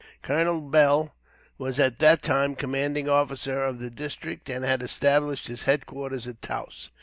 Colonel Beall was at that time commanding officer of the district, and had established his head quarters at Taos.